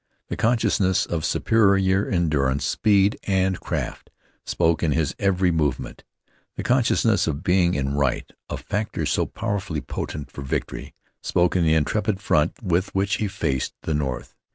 The consciousness of superior endurance, speed, and craft, spoke in his every movement. The consciousness of being in right, a factor so powerfully potent for victory, spoke in the intrepid front with which he faced the north.